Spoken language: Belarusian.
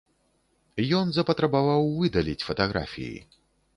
Ён запатрабаваў выдаліць фатаграфіі.